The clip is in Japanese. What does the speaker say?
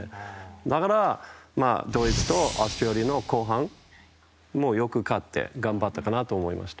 だから、ドイツとオーストラリアの後半もよく勝って頑張ったかなと思いました。